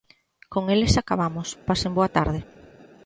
Con eles acabamos, pasen boa tarde.